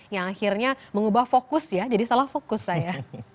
yang akhirnya mengubah fokus ya jadi salah fokus saya